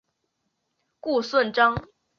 顾顺章。